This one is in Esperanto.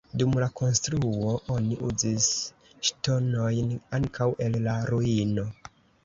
Dum la konstruo oni uzis ŝtonojn ankaŭ el la ruino.